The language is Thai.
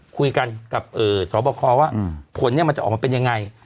คุยกันกับสบคว่าผลเนี่ยมันจะออกมาเป็นยังไง